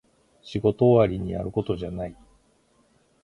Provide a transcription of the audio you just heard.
仕事終わりにやることじゃない